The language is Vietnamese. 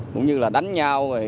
cũng như là đánh nhau